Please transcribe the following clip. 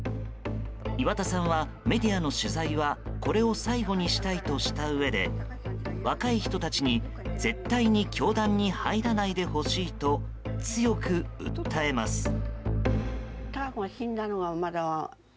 岩田さんはメディアの取材はこれを最後にしたいとしたうえで若い人たちに絶対に教団に入らないでほしいと強く訴えます。